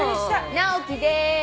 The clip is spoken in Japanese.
直樹です。